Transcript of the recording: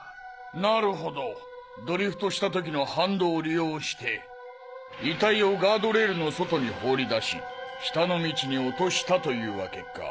なるほどドリフトした時の反動を利用して遺体をガードレールの外に放り出し下の道に落としたというわけか。